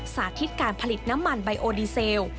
สาธิตการผลิตน้ำมันไบโอดีเซล